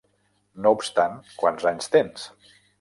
No obstant, quants anys tens?